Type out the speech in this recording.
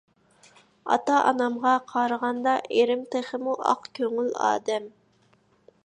ئاتا - ئانامغا قارىغاندا ئېرىم تېخىمۇ ئاق كۆڭۈل ئادەم.